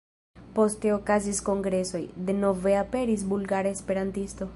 Poste okazis kongresoj, denove aperis Bulgara Esperantisto.